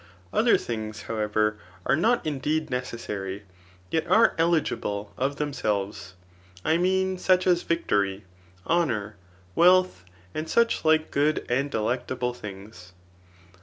Other things, how* ever, are not indeed necessary, yet are eligible of them* selves; I mean such as victory, honour, wealth, and such like good and delectable things.